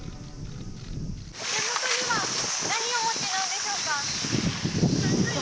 お手元には何をお持ちなんでしょうか？